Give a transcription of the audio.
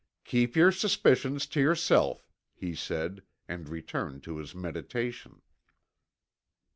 "Keep your suspicions to yourself," he said, and returned to his meditation.